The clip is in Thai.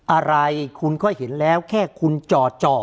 อะไรคุณก็เห็นแล้วแค่คุณจ่อ